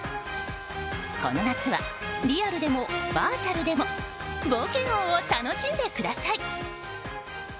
この夏はリアルでもバーチャルでもぜひお楽しみください！